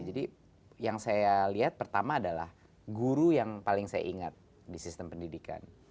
jadi yang saya lihat pertama adalah guru yang paling saya ingat di sistem pendidikan